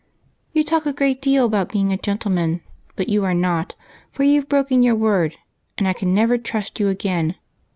You talk a great deal about being a gentleman, but you are not, for you 've broken your word, and I can never trust you again.